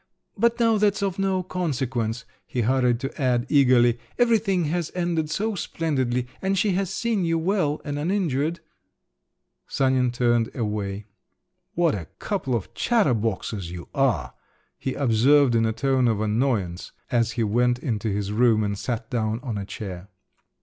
But now that's of no consequence," he hurried to add eagerly, "everything has ended so splendidly, and she has seen you well and uninjured!" Sanin turned away. "What a couple of chatterboxes you are!" he observed in a tone of annoyance, as he went into his room and sat down on a chair.